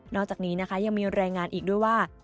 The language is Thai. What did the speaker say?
อกจากนี้นะคะยังมีรายงานอีกด้วยว่า